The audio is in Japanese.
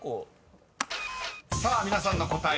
［さあ皆さんの答え